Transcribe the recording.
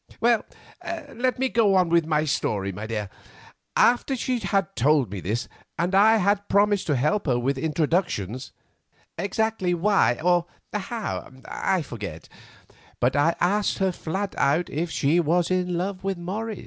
"Well, let me go on with my story. After she had told me this, and I had promised to help her with introductions—exactly why or how I forget—but I asked her flat out if she was in love with Morris.